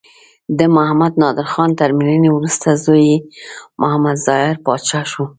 د محمد نادر خان تر مړینې وروسته زوی یې محمد ظاهر پاچا شو.